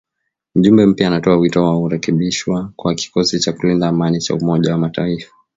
Mjumbe mpya anatoa wito wa kurekebishwa kwa kikosi cha kulinda amani cha umoja wa mataifa